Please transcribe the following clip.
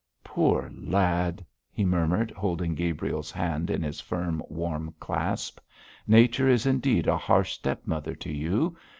'Poor lad!' he murmured, holding Gabriel's hand in his firm, warm clasp. 'Nature is indeed a harsh stepmother to you.